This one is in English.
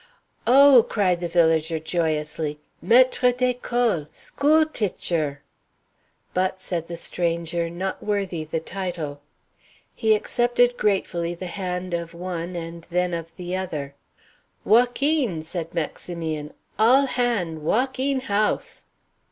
"Oh!" cried the villager joyously, "maître d'école! schooltitcher!" "But," said the stranger, "not worthy the title." He accepted gratefully the hand of one and then of the other. "Walk een!" said Maximian, "all hand', walk een house."